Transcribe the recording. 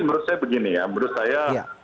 menurut saya begini ya menurut saya